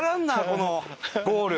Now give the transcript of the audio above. このゴール。